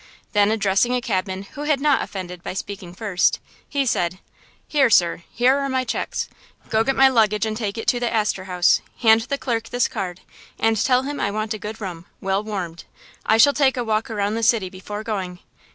Then addressing a cabman who had not offended by speaking first, he said: "Here, sir! Here are my checks! Go get my luggage and take it to the Astor House. Hand the clerk this card, and tell him I want a good room, well warmed. I shall take a walk around the city before going.